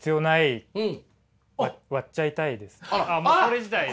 もうこれ自体ね。